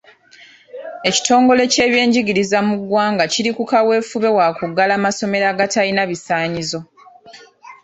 Ekitongole ky’ebyenjigiriza mu ggwanga kiri ku kaweefube wa kuggala masomero agatalina bisaanyizo.